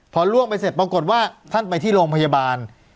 พอล่วงไปเสร็จปรากฏว่าท่านไปที่โรงพยาบาล